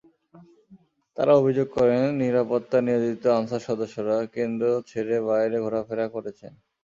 তাঁরা অভিযোগ করেন, নিরাপত্তায় নিয়োজিত আনসার সদস্যরা কেন্দ্র ছেড়ে বাইরে ঘোরাফেরা করেছেন।